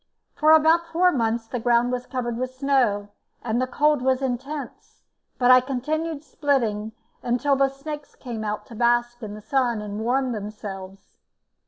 For about four months the ground was covered with snow, and the cold was intense, but I continued splitting until the snakes came out to bask in the sun and warm themselves.